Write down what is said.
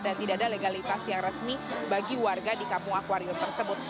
dan tidak ada legalitas yang resmi bagi warga di kampung akwarium tersebut